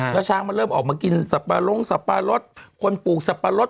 แล้วช้างมันเริ่มออกมากินสับปะลงสับปะรดคนปลูกสับปะรด